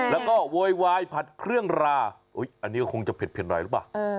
แล้วก็โวยวายผัดเครื่องราอันนี้ก็คงจะเผ็ดหน่อยหรือเปล่า